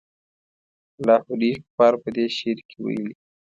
لاهوري اقبال په دې شعر کې ویلي.